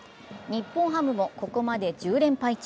日本ハムもここまで１０連敗中。